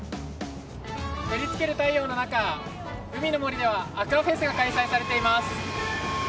照りつける太陽の中海の森ではアクアフェスが開催されています。